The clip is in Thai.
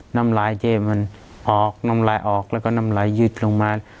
น้ำลายเจ๊มันออกน้ำลายออกแล้วก็น้ำลายยืดลงมา